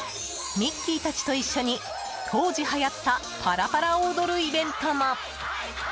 ミッキーたちと一緒に当時はやったパラパラを踊るイベントも。